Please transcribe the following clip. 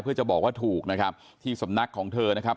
เพื่อจะบอกว่าถูกนะครับที่สำนักของเธอนะครับ